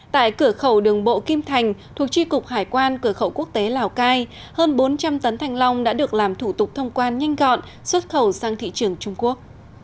tại cửa khẩu đường bộ kim thành thuộc tri cục hải quan cửa khẩu quốc tế lào cai hơn bốn trăm linh tấn thanh long đã được làm thủ tục thông quan nhanh gọn xuất khẩu sang thị trường trung quốc